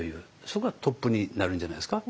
そこがトップになるんじゃないですか。